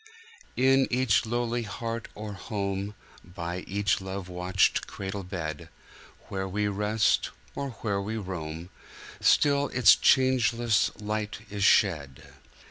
In each lowly heart or home, By each love watched cradle bed, Where we rest, or where we roam, Still its changeless light is shed.